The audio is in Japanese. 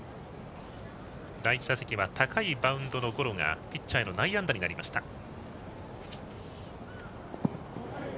第１打席は高いバウンドのゴロがピッチャーへの内野安打になりました、中村。